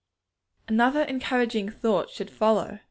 Another encouraging thought should follow.